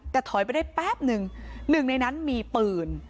แต่ถอยไปได้แป๊บหนึ่งหนึ่งในนั้นมีปืน